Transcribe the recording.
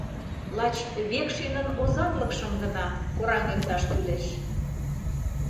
Лач «Векшинын озанлыкшым» гына кораҥ эрташ кӱлеш.